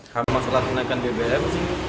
kami masih telah kenaikan bbm